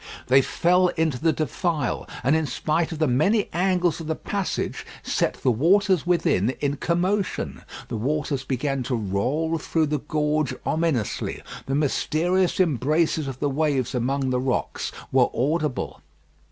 They fell into the defile, and in spite of the many angles of the passage, set the waters within in commotion. The waters began to roll through the gorge ominously. The mysterious embraces of the waves among the rocks were audible.